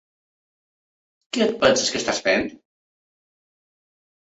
Què et penses que estàs fent?